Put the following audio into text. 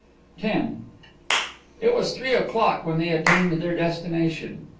X It was three o'clock when they attained their destination.